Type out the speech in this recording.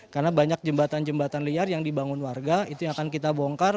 karena banyak jembatan jembatan liar yang dibangun warga itu yang akan kita bongkar